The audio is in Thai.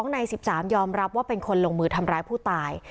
ใน๑๓ยอมรับว่าเป็นคนลงมือทำร้ายผู้ตาย